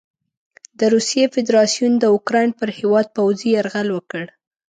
د روسیې فدراسیون د اوکراین پر هیواد پوځي یرغل وکړ.